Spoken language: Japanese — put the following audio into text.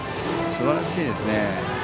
すばらしいですね。